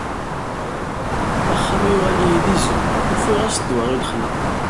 Axxam yuɣal-iyi d izem; ufiɣ-as ddwa i lexla.